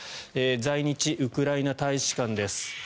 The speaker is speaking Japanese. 在日ウクライナ大使館です。